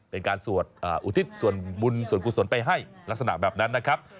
เป็นการสวดอุทิศส่วนบุญส่วนกุศลไปให้ลักษณะแบบนั้นนะครับ